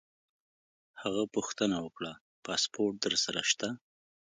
هغه پوښتنه وکړه: پاسپورټ در سره شته؟